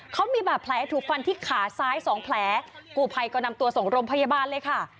เขามีบาดแผลถูกฟันที่ขาซ้ายสองแผลกูภัยก็นำตัวส่งโรงพยาบาลเลยค่ะ